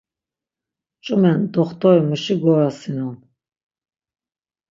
Ç̆umen doxtori muşi gorasinon.